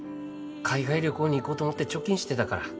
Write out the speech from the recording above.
海外旅行に行こうと思って貯金してたから。